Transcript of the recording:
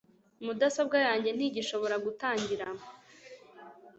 Mudasobwa yanjye ntigishobora gutangira